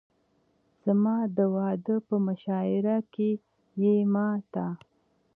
زما د واده په مشاعره کښې يې ما ته